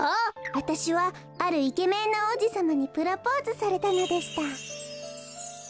わたしはあるイケメンのおうじさまにプロポーズされたのでした。